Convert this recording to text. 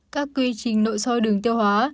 các quy trình nội soi đường tiêu hóa